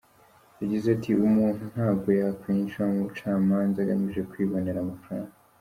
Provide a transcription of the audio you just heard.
Yagize ati “Umuntu ntabwo yakwinjira mu bucamanza agamije kwibonera amafaranga.